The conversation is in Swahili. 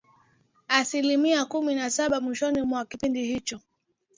asilimia kumi na saba mwishoni mwa kipindi hicho